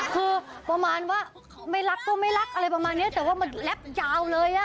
คือประมาณว่าไม่รักก็ไม่รักอะไรประมาณนี้แต่ว่ามันแป๊บยาวเลยอ่ะ